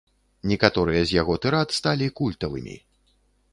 Некаторыя з яго тырад сталі культавымі.